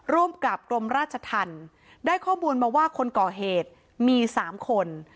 ร่วมกับกรมราชธรรมได้ข้อมูลมาว่าคนก่อเหตุมี๓คน